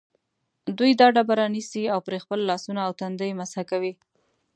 دوی دا ډبره نیسي او پرې خپل لاسونه او تندی مسح کوي.